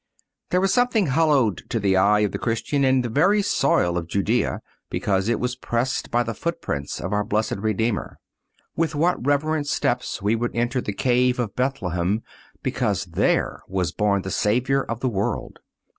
There is something hallowed to the eye of the Christian in the very soil of Judea, because it was pressed by the footprints of our Blessed Redeemer. With what reverent steps we would enter the cave of Bethlehem because there was born the Savior of the world.